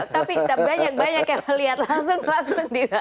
tapi banyak yang melihat langsung di balas